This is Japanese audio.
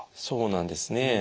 そうなんですね。